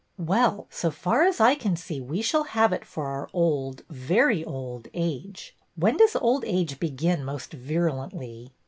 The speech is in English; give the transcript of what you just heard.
" Well, so far as I can see, we shall have it for our old — very old — age. When does old age begin most virulently?"